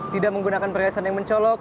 tidak menggunakan perhiasan yang mencolok